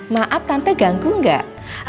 maaf tante ganggu gak